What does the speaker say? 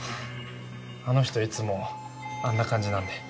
あの人いつもあんな感じなんで。